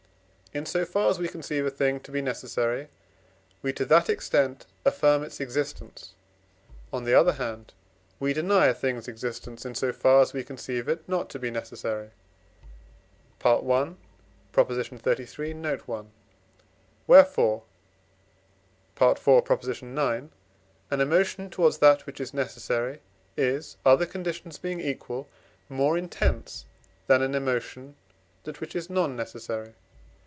In so far as we conceive a thing to be necessary, we, to that extent, affirm its existence; on the other hand we deny a thing's existence, in so far as we conceive it not to be necessary (I. xxxiii. note. i.); wherefore (IV. ix.) an emotion towards that which is necessary is, other conditions being equal, more intense than an emotion that which is non necessary.